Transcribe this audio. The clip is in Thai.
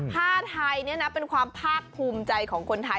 ผ้าไทยเป็นความภาคภูมิใจของคนไทย